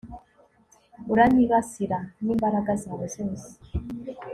uranyibasira n'imbaraga zawe zose